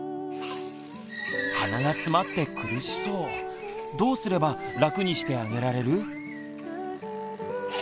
鼻がつまって苦しそうどうすれば楽にしてあげられる？